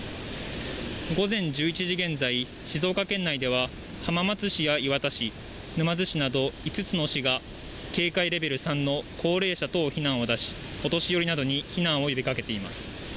午前１１時現在、静岡県内では浜松市や磐田市、沼津市など５つの市が警戒レベル３の高齢者等避難を出しお年寄りなどに避難を呼びかけています。